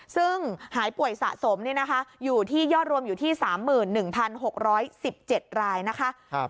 ซึ่งหายป่วยสะสมอยู่ที่ยอดรวมอยู่ที่๓๑๖๑๗รายนะคะ